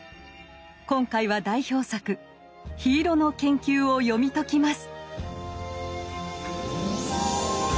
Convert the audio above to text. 今回は代表作「緋色の研究」を読み解きます。